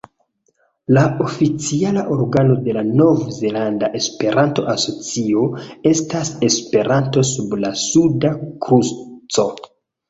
La oficiala organo de la Nov-Zelanda Esperanto-Asocio estas "Esperanto sub la Suda Kruco".